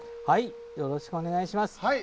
よろしくお願いします。